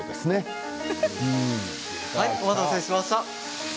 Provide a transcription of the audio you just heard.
はい、お待たせしました。